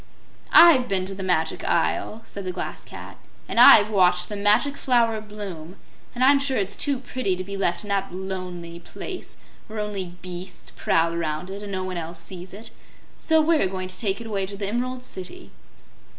"I've been to the Magic Isle," said the Glass Cat, "and I've watched the Magic Flower bloom, and I'm sure it's too pretty to be left in that lonely place where only beasts prowl around it and no else sees it. So we're going to take it away to the Emerald City."